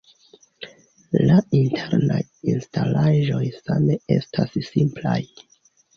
La internaj instalaĵoj same estas simplaj.